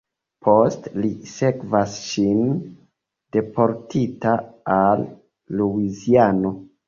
Poste li sekvas ŝin, deportita al Luiziano.